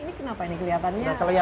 ini kenapa ini kelihatannya agak sakit ya